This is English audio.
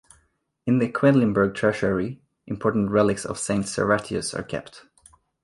In the Quedlinburg Treasury important relics of Saint Servatius are kept.